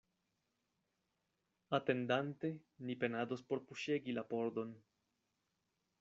Atendante, ni penados por puŝegi la pordon.